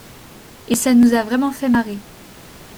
Et ça nous a vraiment fait marrer.